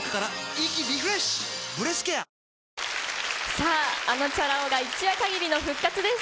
さあ、あのチャラ男が一夜限りの復活です。